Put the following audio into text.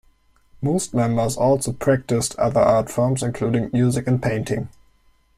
Most members also practiced other art forms including music and painting.